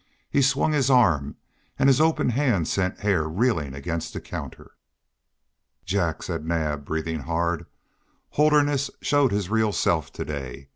He swung his arm, and his open hand sent Hare reeling against the counter. "Jack," said Naab, breathing hard, "Holderness showed his real self to day.